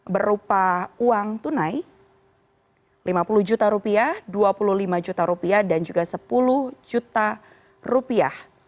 berupa uang tunai lima puluh juta rupiah dua puluh lima juta rupiah dan juga sepuluh juta rupiah